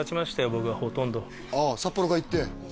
僕はほとんどああ札幌から行って？